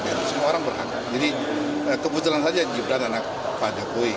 bambang susatyo mengambil alih dari perusahaan jokowi